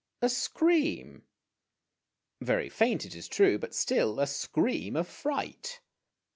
a scream ; very faint, it is true, but still a scream of fright.